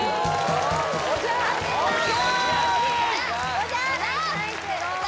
おじゃす！